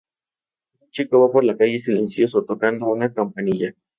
Un chico va por la calle, silencioso, tocando una campanilla.